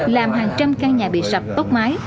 làm hàng trăm căn nhà bị sập tốt máy